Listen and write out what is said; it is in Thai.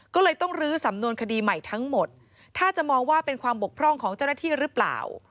ก็เลยต้องลื้อสำนวนคดีใหม่ทั้งหมดถ้าจะมองว่าเป็นความบกพร่องของเจ้าหน้าที่หรือเปล่า